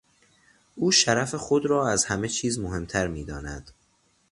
او شرف خود را از همه چیز مهمتر میداند.